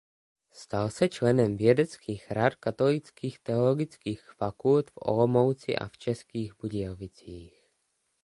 Stal se členem vědeckých rad katolických teologických fakult v Olomouci a v Českých Budějovicích.